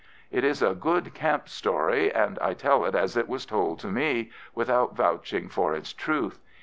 It is a good camp story, and I tell it as it was told to me, without vouching for its truth.